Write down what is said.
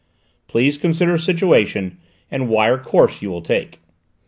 Please consider situation and wire course you will take."